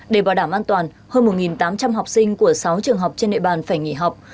để bảo đảm an toàn hơn một tám trăm linh học sinh của sáu trường học trên nệ bàn phải nghỉ học